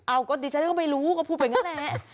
อ้าวกดดิฉะนั้นก็ไม่รู้กับทุ่มนั่นแนะ